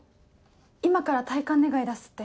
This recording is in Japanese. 今から退官願出すって。